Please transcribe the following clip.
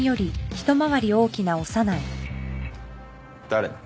誰？